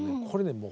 これね